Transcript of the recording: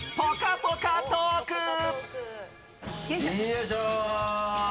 よいしょー！